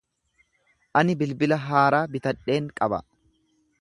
Ani bilbila haaraa bitadheen qaba.